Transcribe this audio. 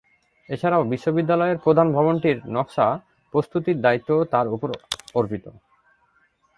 এছাড়াও বিশ্ববিদ্যালয়ের প্রধান ভবনটির নকশা প্রস্তুতির দায়িত্বও তারই উপর অর্পিত।